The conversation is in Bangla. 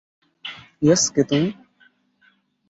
ইয়েস, কে তুমি?